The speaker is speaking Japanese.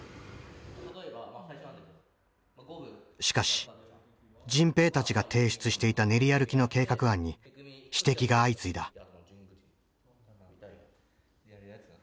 しかし迅平たちが提出していた練り歩きの計画案に指摘が相次いだ。